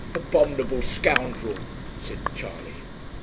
'Abominable scoundrel!' said Charley.